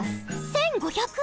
１，５００？